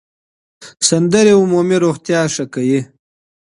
سندرې عمومي روغتیا ښه کوي.